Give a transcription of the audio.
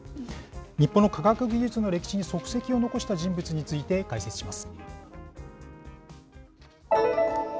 日本の科学技術の歴史に足跡を残した人物について、解説します。